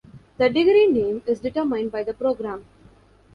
The degree name is determined by the program.